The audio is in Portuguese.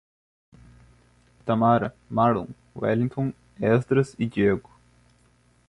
Tamara, Marlon, Welligton, Esdras e Diego